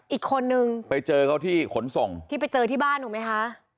อีกคนนึงไปเจอเขาที่ขนส่งที่ไปเจอที่บ้านถูกไหมคะ